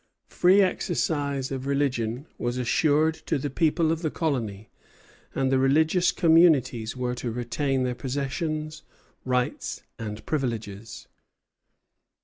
Free exercise of religion was assured to the people of the colony, and the religious communities were to retain their possessions, rights, and privileges.